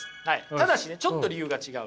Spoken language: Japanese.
ただしねちょっと理由が違う。